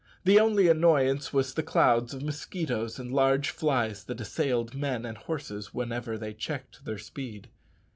The only annoyance was the clouds of mosquitoes and large flies that assailed men and horses whenever they checked their speed.